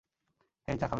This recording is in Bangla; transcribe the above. হেই, চা খাবে?